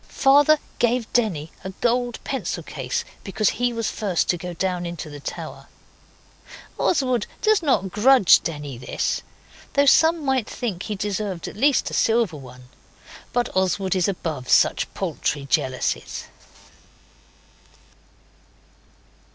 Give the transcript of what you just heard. Father gave Denny a gold pencil case because he was first to go down into the tower. Oswald does not grudge Denny this, though some might think he deserved at least a silver one. But Oswald is above such paltry jealousies.